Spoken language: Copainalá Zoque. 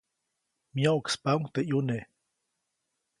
Myoʼkspaʼuŋ teʼ ʼyune.